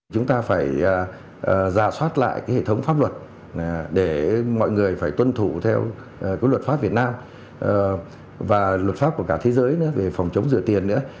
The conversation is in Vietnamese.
chúng ta phải giả soát lại cái hệ thống pháp luật để mọi người phải tuân thủ theo luật pháp việt nam và luật pháp của cả thế giới nữa về phòng chống rửa tiền nữa